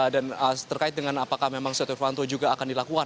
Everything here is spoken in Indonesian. dan terkait dengan apakah memang satyano fanto juga akan dilakukan